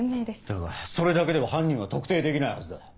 だがそれだけでは犯人は特定できないはずだ。